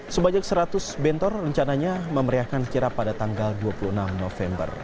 sebanyak seratus bentor rencananya memeriahkan kirap pada tanggal dua puluh enam november